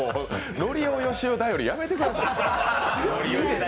のりおよしお便りやめてください。